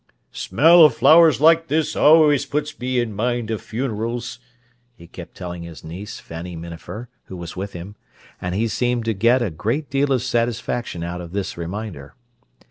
"Smell o' flowers like this always puts me in mind o' funerals," he kept telling his niece, Fanny Minafer, who was with him; and he seemed to get a great deal of satisfaction out of this reminder.